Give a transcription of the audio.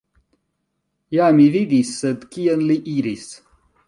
Ja, mi vidis, sed kien li iris?